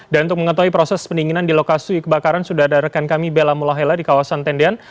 dan untuk mengetahui proses pendinginan di lokasi kebakaran sudah ada rekan kami bella mulahela di kawasan tendian